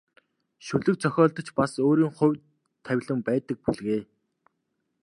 Шүлэг зохиолд ч бас өөрийн хувь тавилан байдаг бүлгээ.